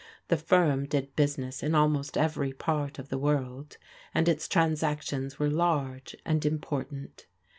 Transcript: The firm did business in almost every part of the world, and its transactions were large and important.